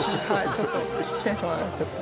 ちょっとテンション上がっちゃった